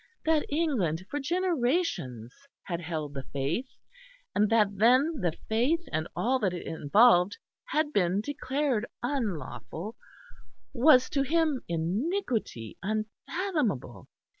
That England for generations had held the Faith, and that then the Faith and all that it involved had been declared unlawful, was to him iniquity unfathomable.